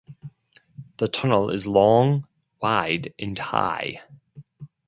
The tunnel is long, wide, and high.